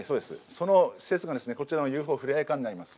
その施設がこちらのＵＦＯふれあい館になります。